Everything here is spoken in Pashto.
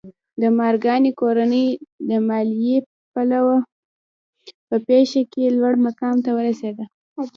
د مارګای کورنۍ د مالیې بلوا په پېښه کې لوړ مقام ته ورسېده.